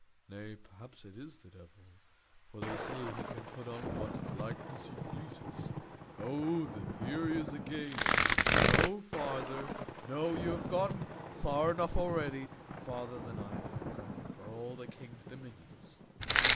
Nay, perhaps it is the devil for they say he can put on what likeness he pleases. Oh! here he is again. No farther! No, you have gone far enough already; farther than I'd have gone for all the king's dominions."